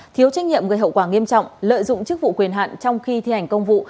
thiếu trách nhiệm gây hậu quả nghiêm trọng lợi dụng chức vụ quyền hạn trong khi thi hành công vụ